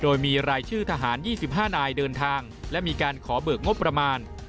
โดยมีรายชื่อทหาร๒๕นายเดินทางและมีการขอเบิกงบประมาณ